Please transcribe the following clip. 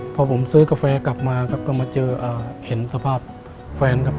พอผมซื้อกาแฟกลับมาครับก็มาเจอเห็นสภาพแฟนครับ